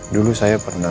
lekas bersedia bersatu